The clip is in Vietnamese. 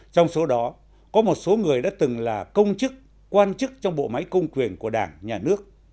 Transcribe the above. trong số đó có một số người đã từng là công chức quan chức trong bộ máy công quyền của đảng nhà nước